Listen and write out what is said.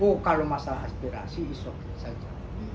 oh kalau masalah aspirasi isok saja